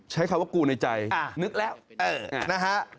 ใช้คำว่ากูในใจนึกแล้วนะฮะ